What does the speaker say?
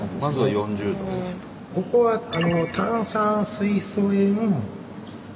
ここは炭酸水素塩冷鉱泉。